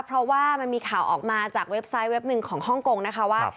เพราะว่ามันมีข่าวออกมาจากเว็บไซต์เว็บหนึ่งของฮ่องกงนะคะว่า